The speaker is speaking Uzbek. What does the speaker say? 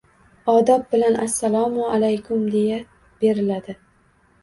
Odob bilan «Assalomu alaykum» deya beriladi.